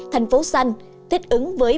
thành phố xanh thích ứng với